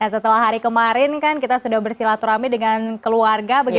setelah hari kemarin kan kita sudah bersilaturahmi dengan keluarga